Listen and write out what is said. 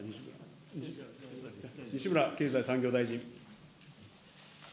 西村経済産業大臣。